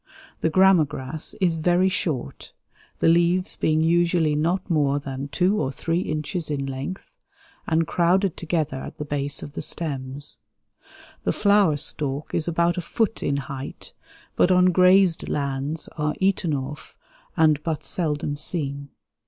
The grama grass is very short, the leaves being usually not more than 2 or 3 inches in length and crowded together at the base of the stems. The flower stalk is about a foot in height, but on grazed lands are eaten off and but seldom seen.